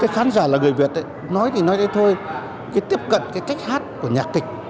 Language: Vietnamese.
khán giả là người việt nói thì nói thôi tiếp cận cách hát của nhạc kịch